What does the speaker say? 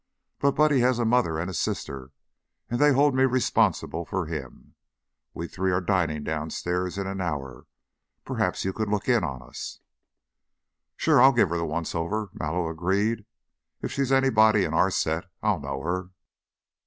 But Buddy has a mother and a sister, and they hold me responsible for him. We three are dining downstairs in an hour; perhaps you could look in on us?" "Sure. I'll give her the once over," Mallow agreed. "If she's anybody in our set, I'll know her."